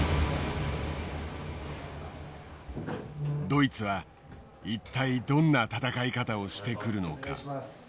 ドイツは一体どんな戦い方をしてくるのか。